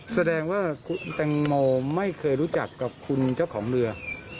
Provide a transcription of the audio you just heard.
แสดงว่าคุณแตงโมไม่เคยรู้จักกับคุณเจ้าของเรือ